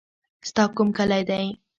ستا کوم کلی دی.